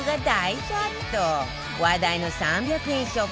話題の３００円ショップ